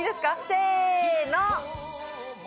せの！